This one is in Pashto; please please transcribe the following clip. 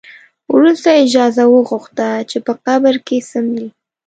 وروسته یې اجازه وغوښته چې په قبر کې څملي.